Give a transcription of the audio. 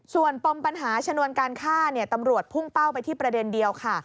ส่วนปมปัญหาชนวนการฆ่าตำรวจพุ่งเป้าไปที่ประเด็นเดียวค่ะ